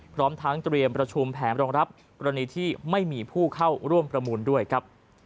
พร้อมทั้งเตรียมประชุมแผนรองรับกรณีที่ไม่มีผู้เข้าร่วมประมูลด้วยครับ